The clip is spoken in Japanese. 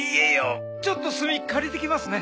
ちょっと炭借りてきますね！